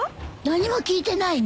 何も聞いてないの？